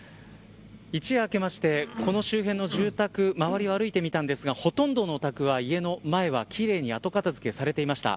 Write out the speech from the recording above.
一夜明けましてこの周辺の住宅周りを歩いてみたんですがほとんどのお宅は、家の前は奇麗に後片付けされていました。